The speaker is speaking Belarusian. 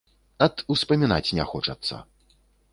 Ат, успамінаць не хочацца.